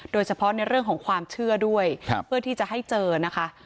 โดยเฉพาะในเรื่องของความเชื่อด้วยเพื่อที่จะให้เจอนะคะ